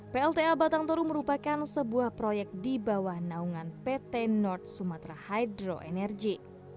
plta batang toru merupakan sebuah proyek di bawah naungan pt north sumatera hydro energy